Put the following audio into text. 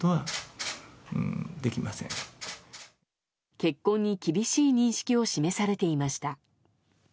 結婚に厳しい認識を示されていました。